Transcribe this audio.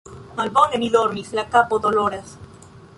Malbone mi dormis, la kapo doloras.